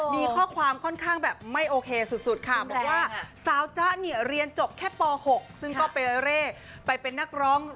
มีข้อความค่อนข้างแบบไม่โอเคสุดค่ะบอกว่าสาวจ๊ะเนี่ยเรียนจบแค่ป๖ซึ่งก็ไปเร่ไปเป็นนักร้อง